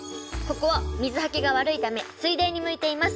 ここは水はけが悪いため水田に向いています。